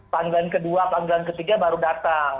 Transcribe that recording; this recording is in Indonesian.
panggilan kedua panggilan ketiga baru datang